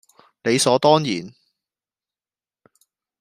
理所當然